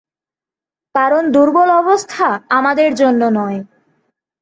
কারণ দুর্বল অবস্থা আমাদের জন্য নয়!